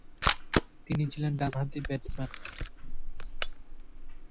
তিনি ছিলেন ডানহাতি ব্যাটসম্যান।